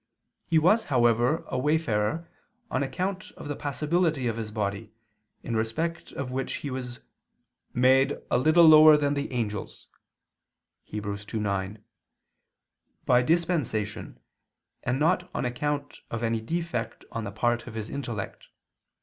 He was, however, a wayfarer on account of the passibility of His body, in respect of which He was "made a little lower than the angels" (Heb. 2:9), by dispensation, and not on account of any defect on the part of His intellect.